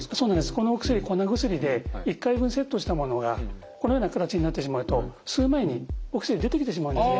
このお薬粉薬で１回分セットしたものがこのような形になってしまうと吸う前にお薬出てきてしまうんですね。